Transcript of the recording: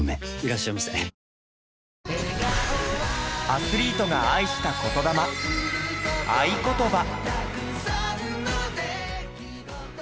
アスリートが愛した言魂『愛ことば』。